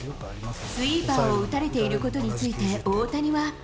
スイーパーを打たれていることについて、大谷は。